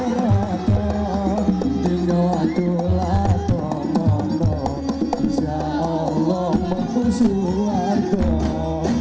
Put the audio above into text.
sampai berat tinggal waktu latuh